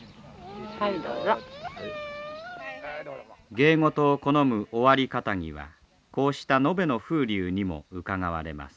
芸事を好む尾張かたぎはこうした野辺の風流にもうかがわれます。